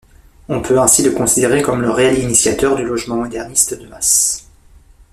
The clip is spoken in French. On peut ainsi le considérer comme le réel initiateur du logement moderniste de masse.